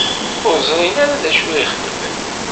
Ur ẓrin ara d acu i xedmen?